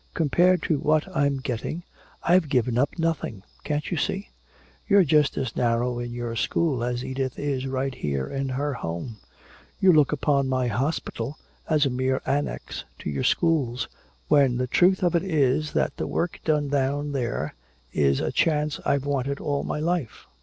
"Compared to what I'm getting, I've given up nothing! Can't you see? You're just as narrow in your school as Edith is right here in her home! You look upon my hospital as a mere annex to your schools, when the truth of it is that the work down there is a chance I've wanted all my life!